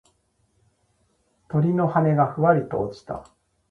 鳥の羽がふわりと落ちた。